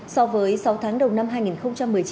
so với sáu tháng đầu năm hai nghìn một mươi chín